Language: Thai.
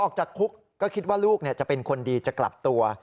ออกจากคุกก็คิดว่าลูกจะเป็นคนดีจะกลับตัว